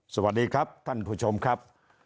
สวัสดีครับท่านผู้ชมครับ